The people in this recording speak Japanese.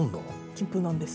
金粉なんです。